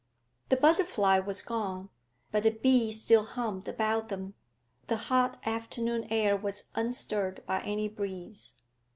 The butterfly was gone, but the bee still hummed about them. The hot afternoon air was unstirred by any breeze.